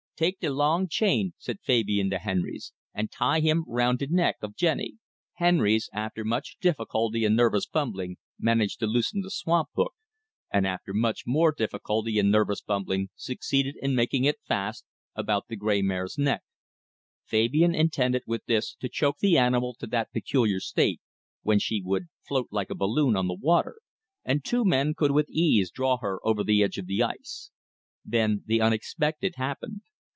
"Tak' de log chain," said Fabian to Henrys, "an' tie him around de nec' of Jenny." Henrys, after much difficulty and nervous fumbling, managed to loosen the swamp hook; and after much more difficulty and nervous fumbling succeeded in making it fast about the gray mare's neck. Fabian intended with this to choke the animal to that peculiar state when she would float like a balloon on the water, and two men could with ease draw her over the edge of the ice. Then the unexpected happened.